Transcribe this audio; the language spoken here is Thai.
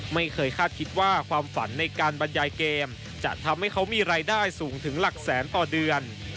ไม่เคยคาดคิดว่าความฝันในการบรรยายเกมจะทำให้เขามีรายได้สูงถึงหลักแสนต่อเดือน